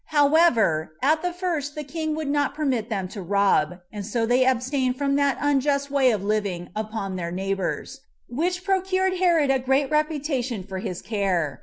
However, at the first the king would not permit them to rob, and so they abstained from that unjust way of living upon their neighbors, which procured Herod a great reputation for his care.